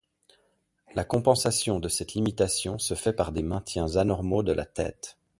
La compensation de cette limitation se fait par des maintiens anormaux de la tête.